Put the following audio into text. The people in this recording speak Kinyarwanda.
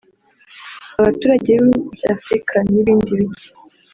Abaturage b’ibihugu bya Afurika n’ibindi bike